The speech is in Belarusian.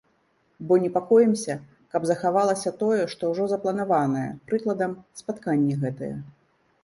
Бо непакоімся, каб захавалася тое, што ўжо запланаванае, прыкладам, спатканні гэтыя.